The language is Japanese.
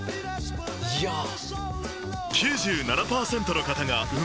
⁉いやぁ。